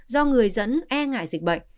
do người dẫn e ngại dịch bệnh